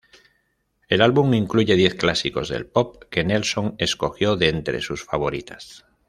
El álbum incluye diez clásicos del pop que Nelson escogió de entre sus favoritas.